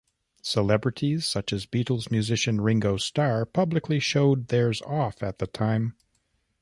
Celebrities such as Beatles musician Ringo Starr publicly showed theirs off at the time.